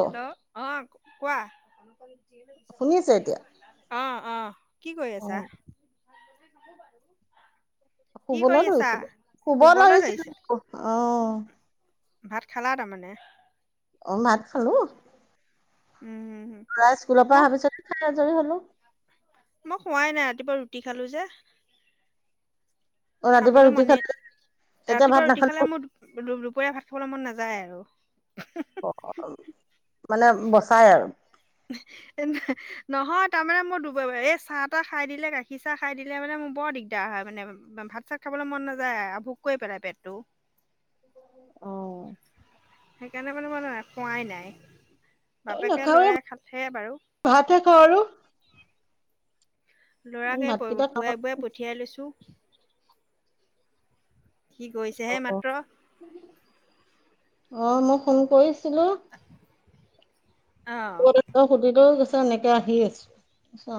Hello অ কোৱা। শুনিছে এতিয়া? অ অ কি কৰি অ আছা। কি শুবলৈ কৰি আছা ধৰিছিলো শুব শুবলৈ ধৰিছে ধৰিছিলো অ'। ভাত খালা তাৰমানে। অহ ভাত খালো। উম ল'ৰা স্কুলৰ পৰা মই অহা পিছত খাই আজৰি হ'লো। মই খোৱাই নাই ৰাতিপুৱা ৰুটি খালো যে। অ', ৰাতিপুৱা খাবলৈ ৰুটি মনে খালো এতিয়া ভাত ৰাতিপুৱা ৰুটি নাখালো খালে মোৰ দুপৰীয়া ভাত খাবলৈ মন নাযায়। যায় আৰু। অ' মানে বচাই আৰু। উহু তেন নহয় তাৰমানানে মোৰব এই চাহ তাহ খাই দিলে গাখীৰ চাহ খাই দিলে মানে মোৰ বৰ দিগদাৰ হয়। হয় মানে। ভাত চাত খাবলৈ মন নাযায়। ভোক কৰি পেলাই পেটটো। অহ। সেইকাৰণে মানে মই খোৱাই নাই। আমি বাপেকে নাখাওঁৱে লৰাই খালে বাৰু। ভাতহে খাওঁ আৰু লৰাকে ভাতকেইটা খাওঁ খুৱাই বুৱাই পঠিয়াই লৈছো। সি গৈছে অ', মাত্ৰ। অ' মই ফোন কৰিছিলো। অ', কত আছ সুধিলোঁ হি কৈছে এনেকে আহি আছো অ।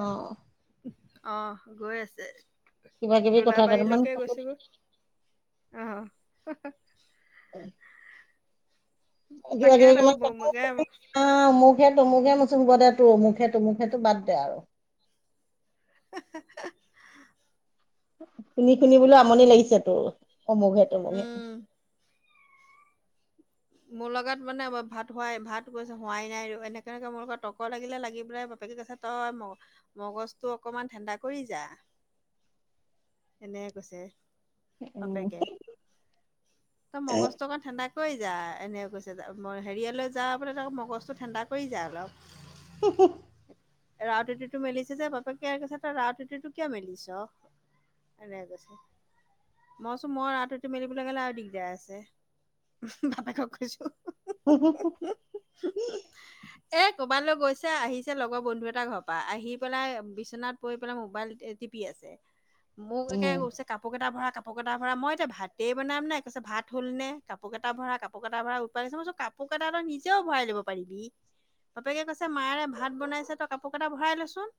অহ গৈ আছে কিবা কিবি কথা কেইটামান দোলাবাৰীলৈকে গৈছে গৈ। অহ হুম উম তাকে অমুকেটো অমু [unintelligible] মচুব দে তো মুখেতটো মখটো বাদ দে আৰু [unintelligible] । [inaudible] শুনি শুনিবলৈ আমনি লাগিছে তোৰ সন্মুখত। উম, মোৰ লগত মানে ভাত হোৱাই ভাত কৈছে হোৱাই নাই আৰু এনেকনেকে মোৰ লগত তটৰ্কৰ লাগিলে লাগি পেলাই। বোক কছে তই ম মগজটো অকমান ঠাণ্ডা কৰি যায়। এনেকে কৈছে উম। বাপেকে। তো মগজটো অক ঠাণ্ডা। যাই এনেক কৈছে। হেৰিয়ালৈ যা পেললে ত মগজটো ঠাণ্ডা কৰি যায় অলপ। হোহু হোহু ৰা তিটো মেলিছে যে বাপে কৈছে ত ৰাততিটো কিয় মেলিছ। এনে কৈছে মইচো মই ৰা উতি মেলিবলৈ গ'লে আৰু দিগদাৰ আছে। বাপেকক কৈছো। উহু উহু এ ক'ৰবালৈ গৈছে আহিছে লগৰ বন্ধু এটাৰ ঘৰৰ পৰা আহি পেলাই বিছনাত পৰি পেলাই মোবাইল। টিপি আছে। মোক একে উম কৈছে কাপোৰ কেইটা ভৰা কাপোৰ কেইটা ভৰা মই এতিয়া ভাতেই বনাম নাই কৈছে ভাত হ'ল নে কাপোৰ। কাপোৰ কেইটা ভৰা কাপোৰ কেইটা ভৰা উৎপাতহৈছে মই কাপোৰ কেইটা ত নিজও ভৰাই লব পাৰিবি। বাপেকে কৈছে মায়ৰে ভাত বনাইছে, তই কাপোৰ কেটা ভৰাই ল' চোন।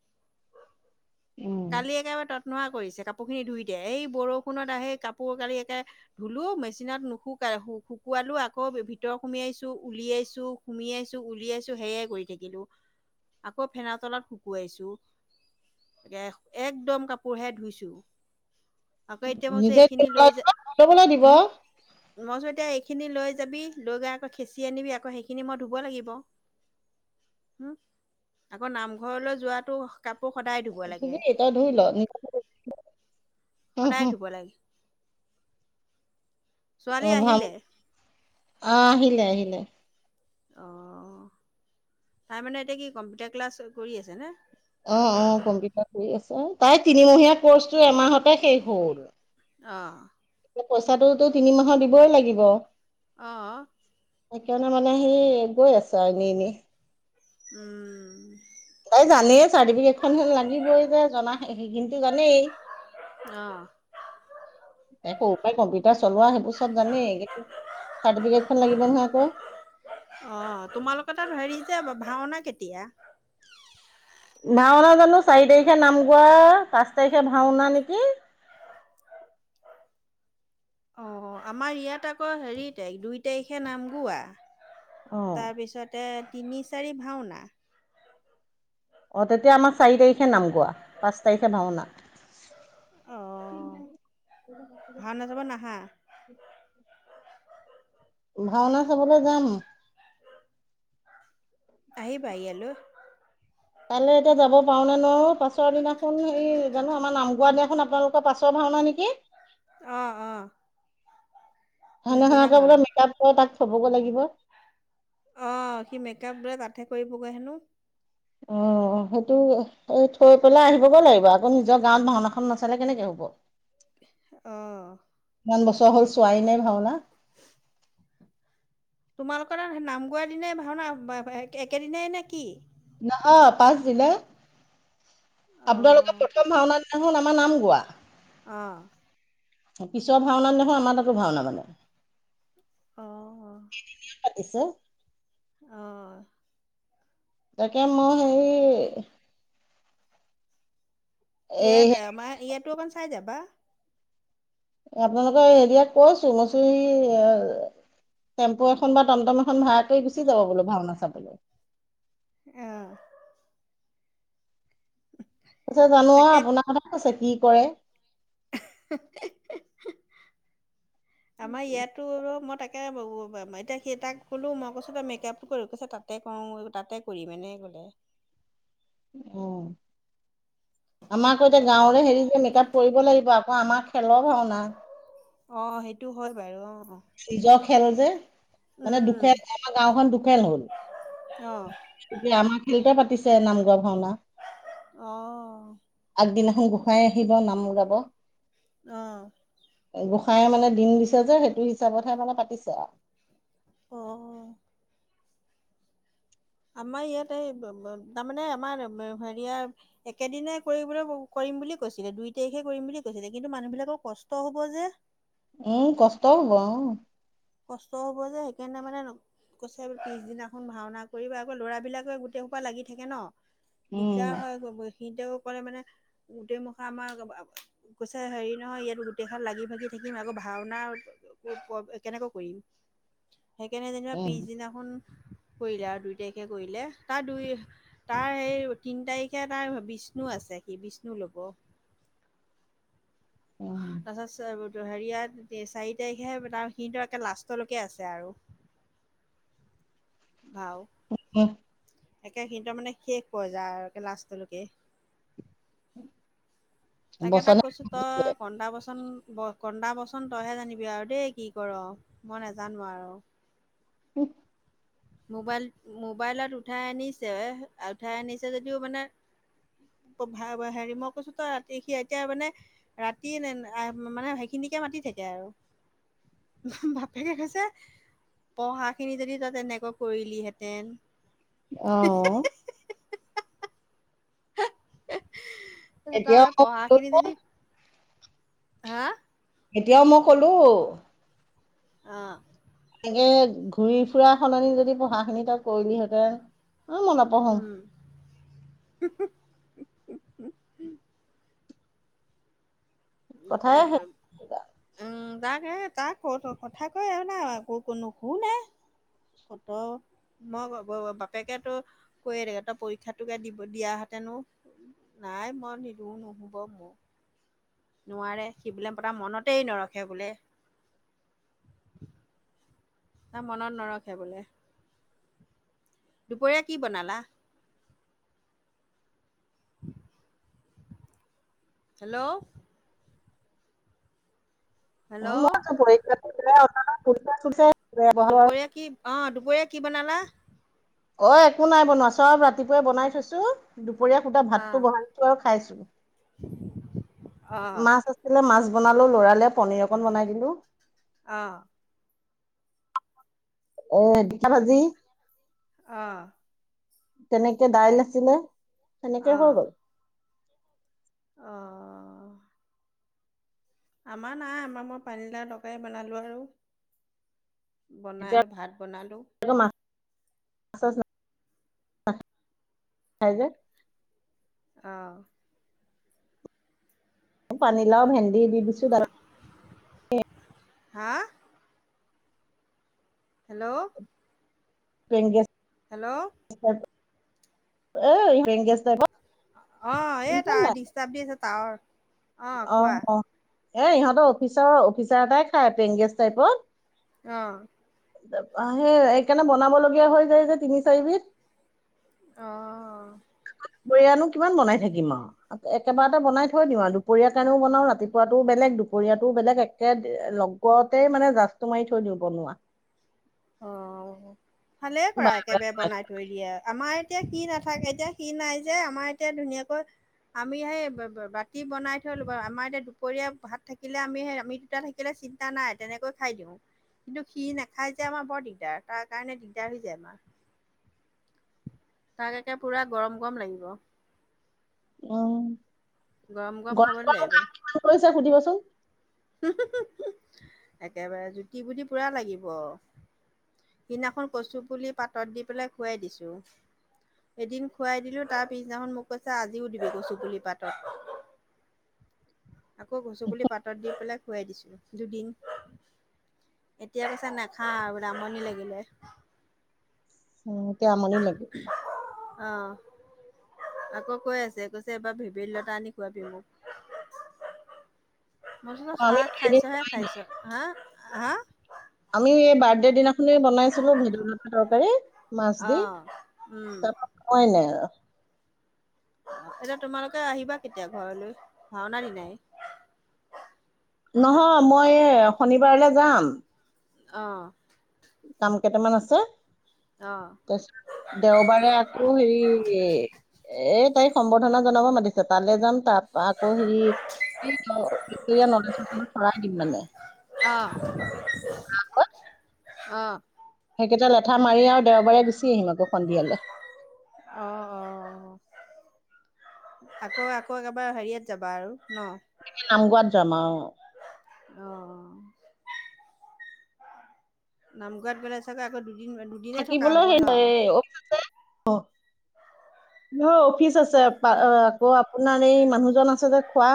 উম কালি একেবাৰে তত নোৱা কৰিছে কাপোৰ খিনি ধুই দিয়া এই বৰষুণত আহেই কাপোৰ কালি একে ধুলো মেচিনত নুশু কালে শুকুৱালো আকৌ ভিতৰ সুমিয়াইছো উলিয়াইছো সুমিয়াইছো উলিয়াইছো সেয়াই কৰি থাকি ছিলো আকৌ ফেনৰ তলত শুকুৱাইছো। তাকে একদম কাপোৰহে ধুইছো। আকৌ এতিয়া মই কৈছো নিজে এইখিনি কেতিয়াবা লৈ যা ধুই লবলৈ দিব। উম মই কৈছো এতিয়া এইখিনি লৈ যাবি, লৈ গৈ আকৌ খেচি আনিবি, আকৌ সেইখিনি মই ধুব লাগিব। হম আকৌ নামঘৰলৈ যোৱাটো কাপোৰ সদায় ধুব লাগে ধুবি তই ধুই ল [unintelligible] সদায় ধুব লাগে। ছোৱালী অ ভাল আহিলে আহ আহিলে আহিলে। অহ তাই মানে এতিয়া কি কম্পিউটাৰ ক্লাছ কৰি আছে নে? অ অ কম্পিউটাৰ কৰি আছে, তাই তিনিমহীয়া কৰ্চটো এমাহতে শেষ হ'ল। অহ। পইচাটোতো তিনিমাহৰ দিবই লাগিব। অহ। সেইকাৰণে মানে সি গৈ আছে আৰু এনে এনে। উম তাই জানেই চাৰ্টিফিকেট হে লাগিবই যে জনা সেইখিনোটো জানেই। আহ তাই‌ সৰুৰ পৰা কম্পিউটাৰ চলোৱা সেইবোৰ চব জানেই কিন্তু চাৰ্টিফিকেটখন লাগিব নহয় আকৌ। অ তোমালোকৰ তাত হেৰি যে ভাওনা কেতিয়া? ভাওনা জানো চাৰি তাৰিখে নাম গোৱা, পাঁচ তাৰিখে ভাওনা নেকি। অ আমাৰ ইয়াত আকৌ হেৰি তাৰিখ দুই তাৰিখে নাম গোৱা। অঁ তাৰপিছতে তিনি চাৰি ভাওঁনা। অ তেতিয়া আমাৰ চাৰি তাৰিখে নাম গোৱা, পাঁচ তাৰিখে ভাওঁনা। অঁ ভাওনা চাব নাহা [unintelligible] ভাওনা চাবলৈ যাম। আহিবা ইয়ালৈ। কাইলৈ এতিয়া যাব পাৰো নে নোৱাৰো, পাছৰ দিনাখন হে জানো আমাৰ নামগোৱা দিনাখন আপোনালোকৰ পাছৰ ভাওঁনা নেকি অ অ। সেইদিনাখনকে বোলে মেকআপ কৰি তাক থবগৈ লাগিব। অ সি মেকআপ বোলে তাতহে কৰিবগৈ হেনো। অ। অ সেইটো সে থৈ পেলাই আহিবগৈ লাগিব আকৌ, নিজৰ গাঁৱত ভাওনাখন নাচালে কেনেকে হব। অঁ ইমান বছৰ হ'ল চোৱাই নাই ভাওঁনা। তোমালোকৰ নাম গোৱাৰ দিনাই ভাওঁনা একেদিনাই নে কি? নহয় পাছ দিনা। অঁ আপোনালোকৰ প্ৰথম ভাওঁনা দিনা খন আমাৰ নাম গোৱা। আঁহ। পিছৰ ভাওনা দিনাখনো আমাৰ তাতো ভাওনা মানে। অঁ কেই দিনিয়া পাতিছে? অহ। তাকে মই সেই এই ইয়াত আমাৰ ইয়াতো অকণ চাই যাবা। আপোনালোকৰ হেৰিয়াক কৈছো মই কৈছো ই অ টেম্পু এখন বা টমটম এখন ভাড়া কৰি গুচি যাব বোলো ভাওনা চাবলে। অঁহ। পিছে জানো আহ আপোনাৰ কথা কৈছে কি কৰে। এহে হে হে হে আমাৰ ইয়াতো ৰুমত তাকে এতিয়া সি তাক ক'লোঁ মই কৈছোঁ তই মেকআপ কৰোঁ কৈছে তাতে কৰোঁ তাতে কৰি মানে। বোলে। অ আমাৰ আকৌ এতিয়া বাপ গাঁৱৰে হেৰি যে মেক আপ কৰিব লাগিব আক। অ আমাৰ খেলৰ ভাওনা। অ সেইটো হয় বাৰু অ। নিজ খেল যে। মানে দুখে উম, আমাৰ গাওখন দুখন হ'ল। অ', এতিয়া আমাৰ ফ্ৰীতে পাতিছে নামঘৰ ভাওনা। অহ। আগদিনাখন গোসাই আহিব নাম গাব। অহ। গোঁসাই মানে দিন দিছে যে, সেইটো হিচাপতহে মানে পাতিছে আও। অ। আমাৰ ইয়াত এই তাৰমানে আমাৰ হেৰিয়াৰ একেদিনে কৰিবলৈ কৰি। কৰিম বুলি কৈছিলে, দুই তাৰিখে কৰিম বুলি কৈছিলে। কিন্তু মানুহ বিলাকৰ কষ্ট হব যে। উম কষ্ট হ'ব অহ। কষ্ট হ'ব যে সেইকাৰণে মানে, কৈছে পিছদিনাখন ভাওনা কৰিব আকৌ ল'ৰাবিলাকে গোটেই সোপা লাগি থাকে ন। উম, দিগদাৰ হয় কলেও সিতেও কলে মানে, গোটেই মুখা আমাৰ কৈছে হেৰি নহয় ইয়াত গোটেইখনাল লাগি ভাগি থাকিম, আকৌ ভাওনা কেনেকৈ কৰিম সেইকাৰণে যেনিবা উম। পিছদিনাখন কৰিলে আৰু দুই তাৰিখে কৰিলে। তাৰ দুই তাৰ সেই তিনি তাৰিখে তাৰ বিষ্ণু আছে। কৈছে সি বিষ্ণু লব। উম। তাছত চোৱা হেৰিয়াত চাৰি তাৰিখে তাৰ সিটো একে লাষ্টলৈকে আছে আৰু। ভাও একে সি ত মানে শেষ কৰি যায় আৰু একে লাষ্টলৈকে। তাকে তাক বচনে কৈছো দিছে। তই কন্দা বস্তু বচন ব কন্দা বচন তইহে জানিবি আৰু দেই কি কৰ, মই নাজানো আৰু। [inaudible] উ [unintelligible] মোবাইল মোবাইলত উঠাই আনিছে, উঠাই আনিছে যদিও মানে হেৰি মই কৈছো তই ৰাতি সি এতিয়া মানে ৰাতি মানে সেইখিনি কে [unintelligible] মাতি থাকে আৰু। বাপেকে কৈছে পঢ়া খিনি যদি তাত তেনেকৈ কৰিলিহেঁতেন। অহ। হ [unintelligible] এতিয়া অ [unintelligible] হা? এতিয়াও মই কলো আহ। এনেকে ঘূৰি ফুৰা সলনি যদি পঢ়াখিনি তই কৰিলিহেঁতেন। অ মই নপঢ়ো। উ উ উ কথাই তাৰ ব শেষ। উম। তাক তাক কত কথা কয় আৰু নাই আকৌ ক নোশুনে কত। মই বাপেকেতো কৈয়ে থাকে তই পৰীক্ষাটোকে দিব দিয়াহেঁতেনো। নাই মই নিদো নোহোব মোক। নোৱাৰে সি বোলে পতা মনতেই নৰখে বোলে। তো মনত নৰখে বোলে। দুপৰীয়া কি বনালা? হেল্ল'! উ হেল্ল' মইতো প [unintelligible] দুপৰীয়া কি অ দুপৰীয়া কি বনালা। অ একো নাই বনোৱা চব ৰাতিপুৱাই বনাই থৈছো, দুপৰীয়া সুদা অঁ ভাতটো বনাইছো আৰু খা খাইছো, অঁ মাছ আছিলে মাছ বনালো লৰালে পনীৰৰ অকন বনাই দিলো। অহ। এ ঢেকীয়া ভাজি। অহ। কেনেকে দাইল আছিলে, সেনেকে হৈ গ'ল। অহ। আমাৰ নাই আমাৰ মই পানী দালি তৰকাৰে বনালো আৰু। এতিয়া বনাইলোঁ ভাত বনালোঁ। আ নাই যে [unintelligible] অহ। পানীলাও ভেন্দি দি দিছো তাতে। হা! হেল্ল'! কেন গেছ। হেল্ল'। অ হেং গেছ তাইপৰ। অ এই তাৱ ডিষ্টাৰ্ব দি আছে তাৱৰ। আহ অ, এ ইহঁতৰ অফিচাৰৰ অফিচাৰ এটাই খায় পেংগেছ টাইপত। অহ। সেই এইকাৰণে বনাব লগগীয়া হৈ যায় যে তিনি চাৰিবিধ। অহ। দুপৰীয়ানো কিমান বনাই থাকিম আৰু, একেবাৰতে বনাই থৈ দিম আৰু। দুপৰীয়াৰ কাৰণেও বনাওঁ ৰাতিপুৱাটো বেলেগ দুপৰীয়াটো বেলেগ একে লগতে মানে জাজটো মাৰি থৈ দি বনোৱা। অ ভালেই কৰা বা একেবাৰে বনাই থৈ দিয়ে, আমাৰ এতিয়া সি নাথাকে এতিয়া সি নাই যে আমাৰ এতিয়া ধুনীয়াকৈ আমি সেই বা বা বাতি বনাই থৈলো আমাৰ এতিয়া দুপৰীয়া ভাত থাকিলে আমি সেই আমি দুটা থাকিলে চিন্তা নাই তেনেকৈ খাই দিওঁ কিন্তু সি নাখাই। তেতিয়া আমাৰ বৰ দিগদাৰ তাৰ কাৰণে দিগদাৰ হৈ যায় আমাৰ। তাক এতিয়া পোৰা গৰম গৰম লাগিব। উম গৰম গৰম কাম কিমান কৰিছে সুধিবচোন? হুম একেবাৰে জুতি বুতি পোৰা লাগিব। সিদিনাখন কচু পুলি পাতত দি পেলাই খোৱাই দিছোঁ। এদিন খুৱাই দিলো তাৰ পিছদিনাখন মোক কৈছে আজিও দিবি কচু পুলি পাতত। আকৌ গছ পুলি পাতত দি পেলাই খোৱাই দিছিলো দুদিন। এতিয়া কৈছে নাখাওঁ আৰু আমনি লাগিলে। অ এতিয়া আমনি লাগে। অঁ আকৌ কৈ আছে কৈছে এবাৰ ভেবেলী লতা আনি খোৱাবি মোক। মই কৈছো অ খাইছে শাক আমি খাইছহে খাইছ হা হা। আমিও এই বাৰ্থডে দিনাখনে বনাইছিলো ভেদলতা তৰকাৰী। মাছ দি, অ'। উম, তাৰপৰা খোৱাই নাই আৰু। এতিয়া তোমালোকে আহিবা কেতিয়া ঘৰলৈ ভাওনা দিনাই? নহয় মই শনিবাৰলৈ যাম অহ কাম কেইটামান আছে অ', ত 'দেওবাৰে আকৌ হেৰি এ তাই সম্বোৰ্ধনা জনাব মাতিছে। তালে যাম। তাৰ পৰা আকৌ হেৰি নলেজৰত ভৰাই দিম মানে অহ - অহ এইকেইটা লেঠা-মাৰি আৰু দেওবাৰে গুচি আহিম আকৌ সন্ধিয়ালে। অহ -অহ -অহ আকৌ - আকৌ একেবাৰ হেৰি ইয়াত যাবা আৰু, ন'? নামগোৱাত যাম আও। অ'। নামগোৱাত গ'লে চাগৈ আকৌ দু থাকিবলৈ সে [unintelligible] অফিচ আছে আকৌ আপোনাৰ এই মানুহজন আছে যে খোৱা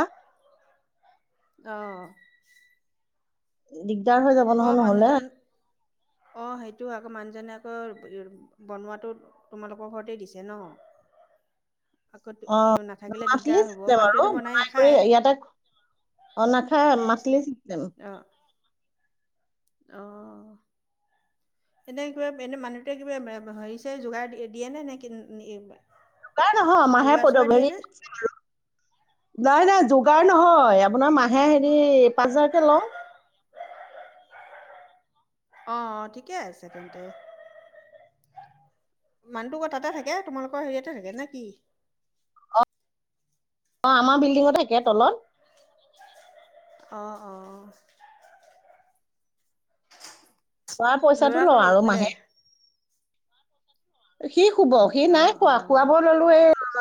অ'। [unintelligible] নহয় অ' নহ'লে মানুহজন- অ' সেইটো আকৌ মানুহজনে বনোৱাটো তোমালোকৰ ঘৰতে দিছে ন'? আকৌ [unintelligible] নাথাকিলে মান্থলি দিগদাৰ হ'ব চিষ্টেম মানুহটোৱেটো বনাই নাখায়। অনাখা মাছলি চিকেন। অহ এনে কিবা এনে মানুহটোৱে কিবা হেৰি- চাৰি যোগাৰ দিয়ে নে, নে [unintelligible] নাই নহয় যোগাৰ চোগাৰ দিয়ে নে [unintelligible] গাৰ নহয। আপোনাৰ মাহে হেৰি অ পাঁচ হাজাৰকে ল'ওঁ। অ' - অ', ঠিকে আছে তেন্তে। মানুহটো কত তাতে থাকে তোমালোকৰ হেৰিয়াতে থাকে নে কি? অ' আমাৰ বিল্ডিঙত থাকে তলত। অ' - অ'। তাৰ ল'ৰা পইচাটো লওঁ ক'লৈ আৰু শুলে? মাহে সি শুব সি অ', নাই খোৱা অ'। খুৱাব ললো এ [unintelligible]